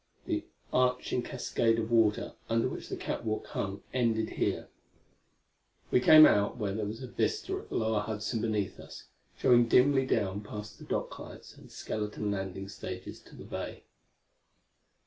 The arching cascade of water under which the catwalk hung ended here. We came out where there was a vista of the lower Hudson beneath us, showing dimly down past the docklights and skeleton landing stages to the bay.